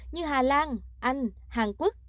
như hà lan anh hàn quốc